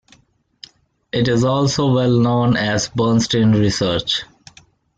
It is also well known as Bernstein Research.